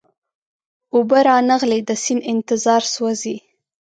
اوبه را نغلې د سیند انتظار سوزی